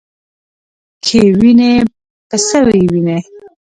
کې وینې په څه یې وینې ؟